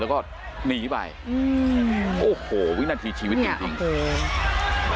แล้วก็หนีไปอืมโอ้โหวินาทีชีวิตจริงจริงเนี้ยเอาเปิด